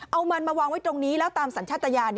เอามันมาวางไว้ตรงนี้แล้วตามสัญชาติยาน